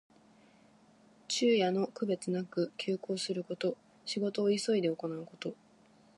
昼夜の区別なく急行すること。仕事を急いで行うこと。